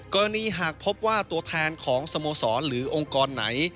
หากพบว่าตัวแทนของสโมสรหรือองค์กรไหน